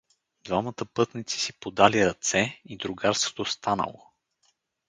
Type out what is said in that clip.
Двамата пътници си подали ръце — и другарството станало.